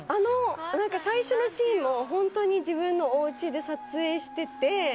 最初のシーンも本当に自分のおうちで撮影してて。